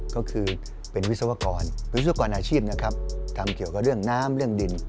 ก็คือเป็นวิศวกรวิศวกรอาชีพนะครับทำเกี่ยวกับเรื่องน้ำเรื่องดิน